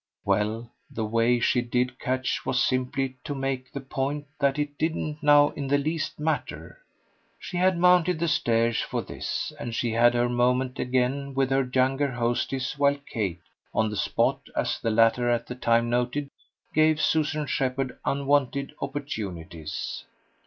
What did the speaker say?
Well, the way she did catch was simply to make the point that it didn't now in the least matter. She had mounted the stairs for this, and she had her moment again with her younger hostess while Kate, on the spot, as the latter at the time noted, gave Susan Shepherd unwonted opportunities.